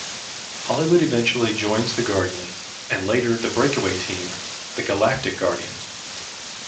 Hollywood eventually joins the Guardians, and later the "breakaway" team, the Galactic Guardians.